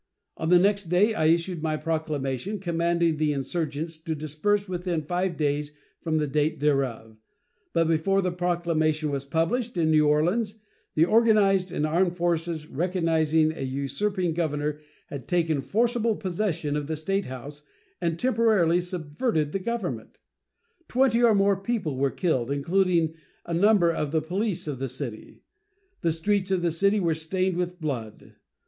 On the next day I issued my proclamation commanding the insurgents to disperse within five days from the date thereof; but before the proclamation was published in New Orleans the organized and armed forces recognizing a usurping governor had taken forcible possession of the statehouse and temporarily subverted the government. Twenty or more people were killed, including a number of the police of the city. The streets of the city were stained with blood.